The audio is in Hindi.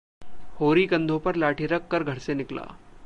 होरी कंधों पर लाठी रख कर घर से निकला